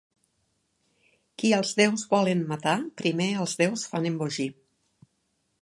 Qui els déus volen matar, primer els déus fan embogir.